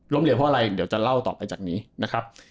เหลวเพราะอะไรเดี๋ยวจะเล่าต่อไปจากนี้นะครับ